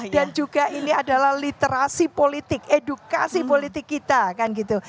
dan juga ini adalah literasi politik edukasi politik kita kan gitu